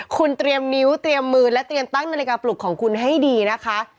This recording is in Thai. คุณเตรียมนิ้วเตรียมมือและเตรียมตั้งนาฬิกาปลุกของคุณให้ดีนะคะ